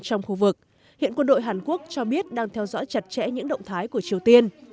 trong khu vực hiện quân đội hàn quốc cho biết đang theo dõi chặt chẽ những động thái của triều tiên